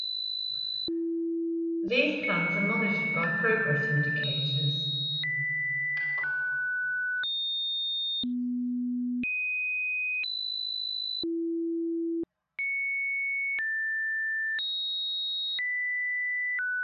These plans are monitored by progress indicators.